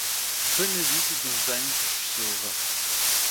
Benedito dos Anjos Silva